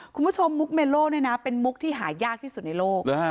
มุกเมโลเนี่ยนะเป็นมุกที่หายากที่สุดในโลก